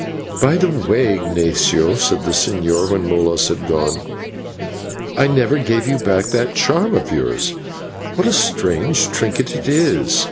"By the way, Ignatio," said the señor when Molas had gone, "I never gave you back this charm of yours. What a strange trinket it is!"